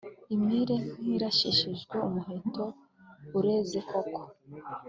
imere nk’irashishijwe umuheto ureze koko,